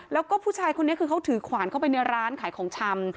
แล้วก็ผู้ชายคนนี้คือเขาถือขวานเข้าไปในร้านขายของชำ